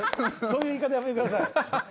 そういう言い方やめてください。